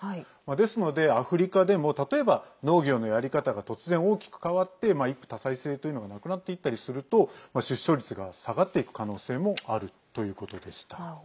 ですので、アフリカでも例えば農業のやり方が突然、大きく変わって一夫多妻制というのがなくなっていったりすると出生率が下がっていく可能性もあるということでした。